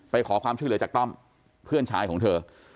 ขอความช่วยเหลือจากต้อมเพื่อนชายของเธอ